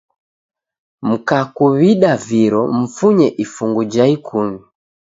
Mkakuw'ida viro, mfunye ifungu jha ikumi